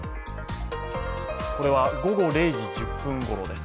これは、午後０時１０分ごろです